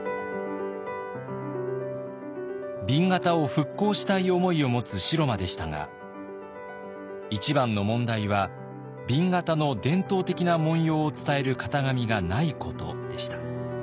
紅型を復興したい思いを持つ城間でしたが一番の問題は紅型の伝統的な紋様を伝える型紙がないことでした。